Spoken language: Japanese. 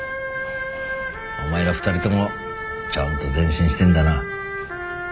お前ら二人ともちゃんと前進してんだな。